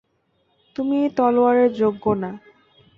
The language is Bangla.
তুমি এই তলোয়ারের যোগ্য না।